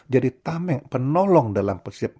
jadi tameng penolong dalam